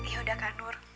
yaudah kak nur